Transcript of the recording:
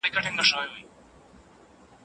پښتانه اوږده کميسونه اغوندي.